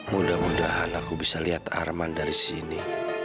mudah mudahan aku bisa lihat arman dari sini